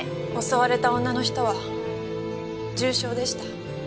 襲われた女の人は重傷でした。